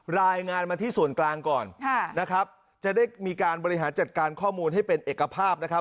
รายงานมาที่ส่วนกลางก่อนนะครับจะได้มีการบริหารจัดการข้อมูลให้เป็นเอกภาพนะครับ